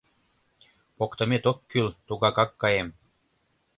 Поктымет ок кӱл, тугакат каем.